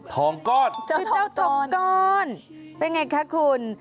ทองก้อนคือเจ้าทองก้อนเป็นไงคะคุณ